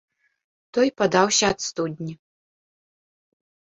Той падаўся ад студні.